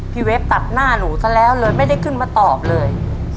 พี่เวฟตัดหน้าหนูเสียนะเลยไม่ได้ขึ้นมาตอบเลย